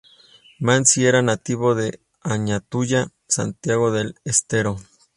Manzi era nativo de Añatuya, Santiago del Estero.